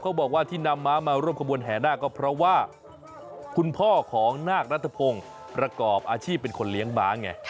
บอกว่าที่นำม้ามาร่วมขบวนแห่นาคก็เพราะว่าคุณพ่อของนาคนัทพงศ์ประกอบอาชีพเป็นคนเลี้ยงม้าไง